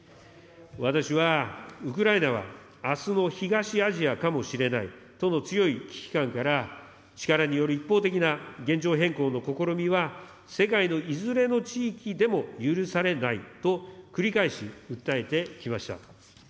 私は、ウクライナはあすの東アジアかもしれないとの強い危機感から、力による一方的な現状変更の試みは、世界のいずれの地域でも許されないと、繰り返し訴えてきました。